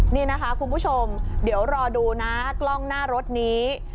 นี่นะคะคุณผู้ชมเดี๋ยวรอดูนะกล้องหน้ารถนี้